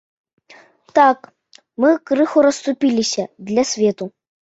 Так, мы крыху растуліліся для свету.